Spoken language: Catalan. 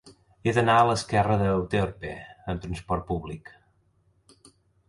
He d'anar al carrer d'Euterpe amb trasport públic.